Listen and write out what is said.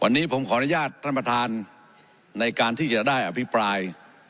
วันนี้ผมขออนุญาตท่านประธานในการที่จะได้อภิปราย